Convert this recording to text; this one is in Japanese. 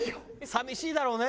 寂しいだろうね。